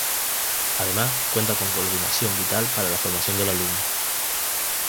Además cuenta con coordinación vital para la formación del alumno.